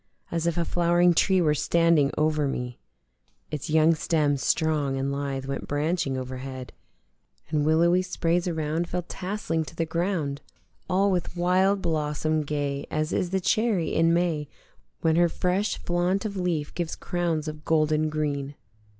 As if a flowering tree were standing over me: Its young stem strong and lithe went branching overhead And willowy sprays around fell tasseling to the ground All with wild blossom gay as is the cherry in May When her fresh flaunt of leaf gives crowns of golden green.